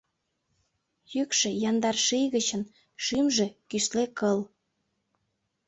Йӱкшӧ — яндар ший гычын, шӱмжӧ — кӱсле кыл.